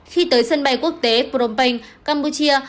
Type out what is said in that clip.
khi tới sân bay quốc tế phnom penh campuchia